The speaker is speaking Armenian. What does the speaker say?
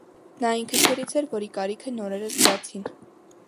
Նա այն քչերից էր, որի կարիքը նորերը զգացին: